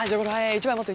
１枚持って！